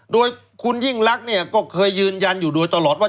โดยคุณยิ่งรักก็เคยยืนยันอยู่ด้วยตลอดว่า